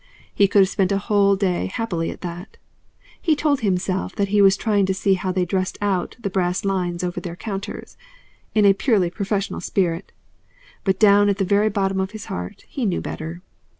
He could have spent a whole day happily at that. He told himself that he was trying to see how they dressed out the brass lines over their counters, in a purely professional spirit, but down at the very bottom of his heart he knew better.